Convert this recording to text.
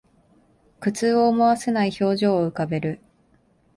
苦痛を思わせない表情を浮かべる